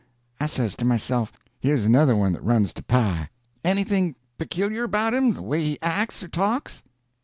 I says to myself, here's another one that runs to pie. "Anything peculiar about him?—the way he acts or talks?"